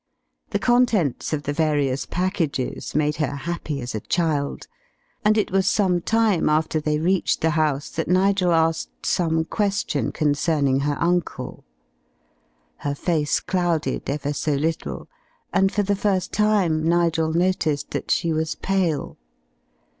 The contents of the various packages made her happy as a child, and it was some time after they reached the house that Nigel asked some question concerning her uncle. Her face clouded ever so little, and for the first time Nigel noticed that she was pale.